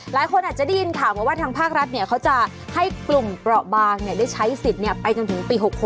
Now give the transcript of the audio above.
หลายคนอาจจะได้ยินข่าวมาว่าทางภาครัฐเขาจะให้กลุ่มเปราะบางได้ใช้สิทธิ์ไปจนถึงปี๖๖